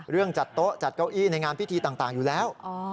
จัดโต๊ะจัดเก้าอี้ในงานพิธีต่างอยู่แล้ว